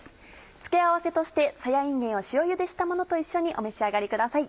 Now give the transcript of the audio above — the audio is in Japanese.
付け合わせとしてさやいんげんを塩ゆでしたものと一緒にお召し上がりください。